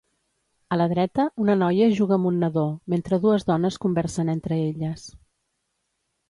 A la dreta, una noia juga amb un nadó, mentre dues dones conversen entre elles.